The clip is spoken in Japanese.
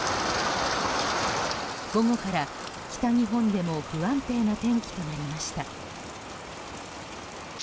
午後から北日本でも不安定な天気となりました。